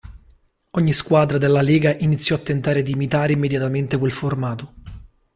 Ogni squadra della lega iniziò a tentare di imitare immediatamente quel formato.